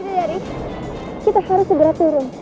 gitu ya riz kita harus segera turun